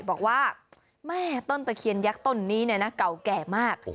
บอกว่าแม่ต้นตะเคียนยักษ์ต้นนี้เนี่ยนะเก่าแก่มาก